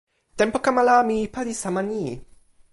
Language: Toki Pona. tenpo kama la mi pali sama ni.